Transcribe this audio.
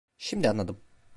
Şimdi anladım.